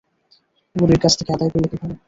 বুড়ির কাছ থেকে আদায় করলে কীভাবে?